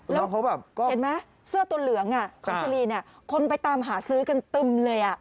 แล้วเขาแบบก็เห็นไหมเสื้อตัวเหลืองของสุรีเนี่ยคนไปตามหาซื้อกันตึมเลย